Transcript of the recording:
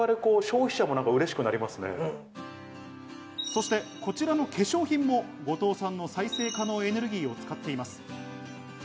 そしてこちらの化粧品も五島産の再生可能エネルギーを使っています。